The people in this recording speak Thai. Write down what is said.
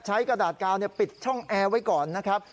กระดาษกาวปิดช่องแอร์ไว้ก่อนนะครับ